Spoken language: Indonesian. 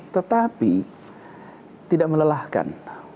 tetapi tidak melelahkan